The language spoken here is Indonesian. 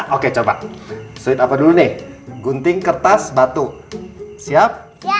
oke coba sweet apa dulu nih gunting kertas batu siap